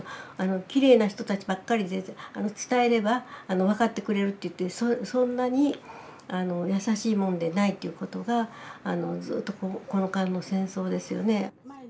きれいな人たちばっかりで伝えれば分かってくれると言ってそんなにやさしいもんでないっていうことがずっとこの間の戦争ですよね。